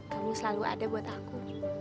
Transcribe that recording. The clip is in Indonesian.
kamu selalu ada buat aku